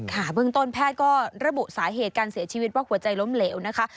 เบื้องต้นแพทย์ก็ระบุสาเหตุการเสียชีวิตว่าหัวใจล้มเหลวนะคะ